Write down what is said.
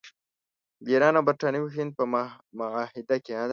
د ایران او برټانوي هند په معاهده کې.